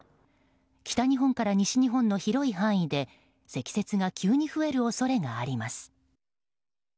北日本から西日本の広い範囲で積雪が急に増える恐れがあります。